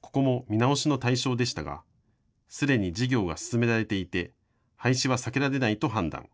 ここも見直しの対象でしたがすでに事業が進められていて廃止は避けられないと判断。